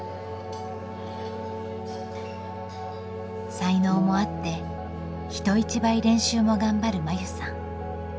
才能もあって人一倍練習も頑張る真優さん。